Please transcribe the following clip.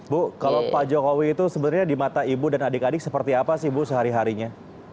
bu kalau pak jokowi itu sebenarnya di mata ibu dan adik adik seperti apa sih bu sehari harinya